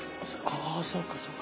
あそうかそうか。